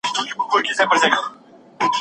ایا د مېوو پر ځای د حلوا خوړل تاوان لري؟